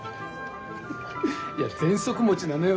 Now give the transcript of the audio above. いやぜんそく持ちなのよ